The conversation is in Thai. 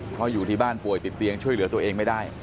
เพราะอยู่ที่บ้านป่วยติดเตียงช่วยเหลือตัวเองไม่ได้